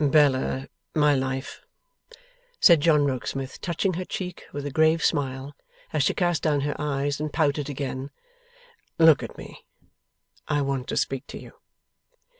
'Bella, my life,' said John Rokesmith, touching her cheek, with a grave smile, as she cast down her eyes and pouted again; 'look at me. I want to speak to you.